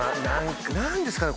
何ですかね